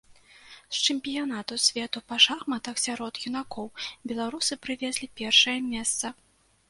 З чэмпіянату свету па шахматах сярод юнакоў беларусы прывезлі першае месца.